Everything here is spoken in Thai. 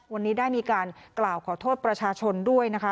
วันนี้ได้มีการกล่าวขอโทษประชาชนด้วยนะคะ